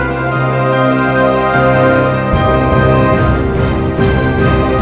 ayo ibu terus ibu